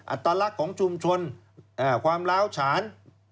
อัตลักษณ์ของชุมชนความล้าวฉาน